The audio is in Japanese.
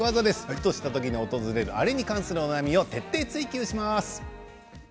ふとしたときに訪れるあれに関するお悩みを徹底追及します。